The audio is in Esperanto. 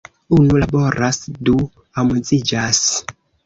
Unu laboras du amuziĝas!